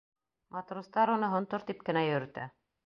Матростар уны һонтор тип кенә йөрөтә.